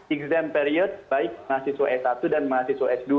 x period baik mahasiswa s satu dan mahasiswa s dua